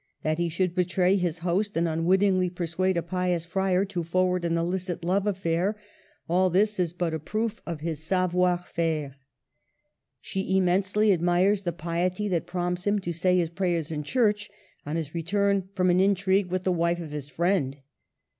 That he should betray his host, and unwittingly per suade a pious friar to forward an illicit love affair, — all this is but a proof of his savoir THE '' heptameron:' 217 faire. She immensely admires the piety that prompts him to say his prayers in church, on his return from an intrigue with the wife of his friend.